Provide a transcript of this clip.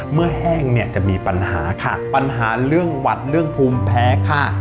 แห้งเนี่ยจะมีปัญหาค่ะปัญหาเรื่องหวัดเรื่องภูมิแพ้ค่ะ